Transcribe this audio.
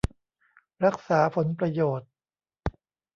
รักษาผลประโยชน์